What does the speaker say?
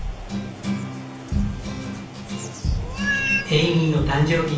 エイミーの誕生日。